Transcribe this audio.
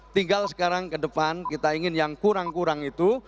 tinggal sekarang ke depan kita ingin yang kurang kurang itu